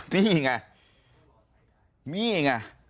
เนี้ยไงมีไง